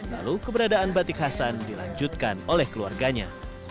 lalu keberadaan batik khasan dilanjutkan oleh keluarganya